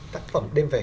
tác phẩm đêm về